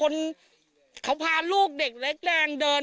มันพาลูกเด็กแรกแรงเดิน